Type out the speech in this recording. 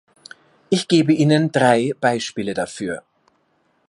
Ich gebe Ihnen drei Beispiele dafür.